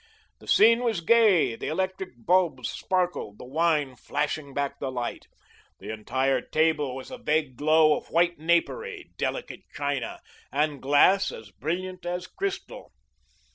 The scene was gay, the electric bulbs sparkled, the wine flashing back the light. The entire table was a vague glow of white napery, delicate china, and glass as brilliant as crystal.